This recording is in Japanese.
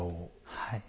はい。